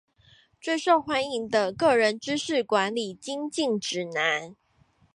最受歡迎的個人知識管理精進指南